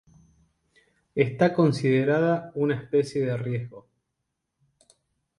Está considerada una especie en riesgo.